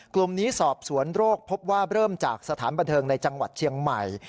กลุ่มนี้สอบสวนโรคพบว่าเริ่มจากสถานบันเทิงในจังหวัดเชียงใหม่